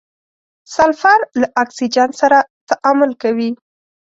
سلفر له اکسیجن سره تعامل کوي.